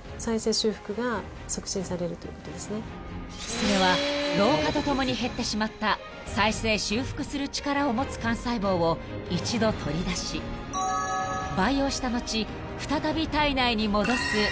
［それは老化とともに減ってしまった再生修復する力を持つ幹細胞を一度取り出し培養した後再び体内に戻すという］